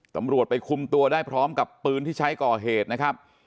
ตำรวจไปคุมตัวได้พร้อมกับปืนที่ใช้ก่อเหตุนะครับ